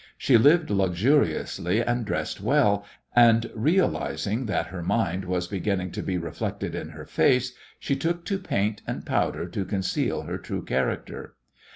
She lived luxuriously and dressed well, and, realizing that her mind was beginning to be reflected in her face, she took to paint and powder to conceal her true character.